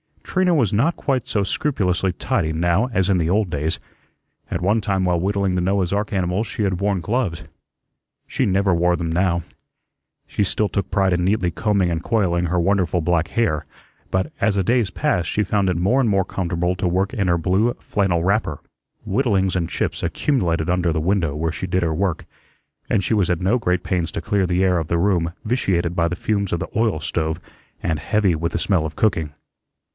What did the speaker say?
Trina was not quite so scrupulously tidy now as in the old days. At one time while whittling the Noah's ark animals she had worn gloves. She never wore them now. She still took pride in neatly combing and coiling her wonderful black hair, but as the days passed she found it more and more comfortable to work in her blue flannel wrapper. Whittlings and chips accumulated under the window where she did her work, and she was at no great pains to clear the air of the room vitiated by the fumes of the oil stove and heavy with the smell of cooking.